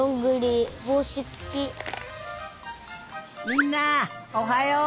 みんなおはよう！